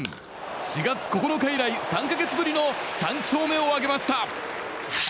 ４月９日以来３か月ぶりの３勝目を挙げました。